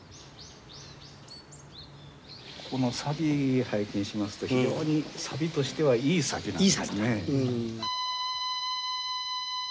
この錆拝見しますと非常に錆としてはいい錆なんですね。